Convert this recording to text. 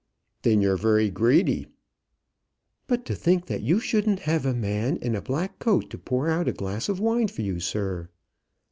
"Then you're very greedy." "But to think that you shouldn't have a man in a black coat to pour out a glass of wine for you, sir!"